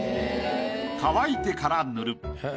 乾いてから塗る。